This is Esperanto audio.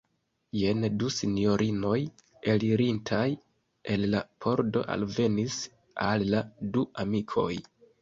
Jen du sinjorinoj elirintaj el la pordo alvenis al la du amikoj.